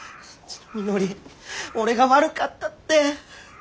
みのり俺が悪かったって。